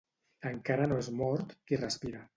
Encara no és mort qui respira.